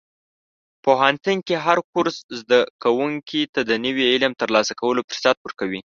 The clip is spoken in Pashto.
پوهنتون کې هر کورس زده کوونکي ته د نوي علم ترلاسه کولو فرصت ورکوي.